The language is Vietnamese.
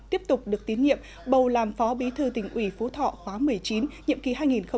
tiếp tục được tiến nhiệm bầu làm phó bí thư tỉnh ủy phú thọ khóa một mươi chín nhiệm kỳ hai nghìn hai mươi hai nghìn hai mươi năm